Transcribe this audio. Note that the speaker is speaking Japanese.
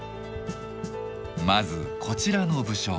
まずこちらの武将。